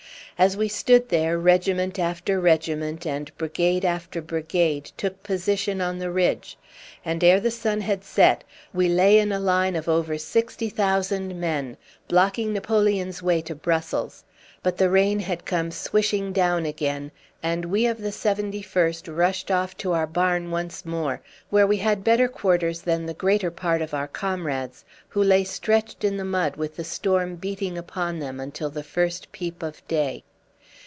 As we stood there, regiment after regiment and brigade after brigade took position on the ridge, and ere the sun had set we lay in a line of over sixty thousand men, blocking Napoleon's way to Brussels. But the rain had come swishing down again, and we of the 71st rushed off to our barn once more, where we had better quarters than the greater part of our comrades, who lay stretched in the mud with the storm beating upon them until the first peep of day.